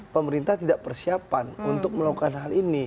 pemerintah tidak persiapan untuk melakukan hal ini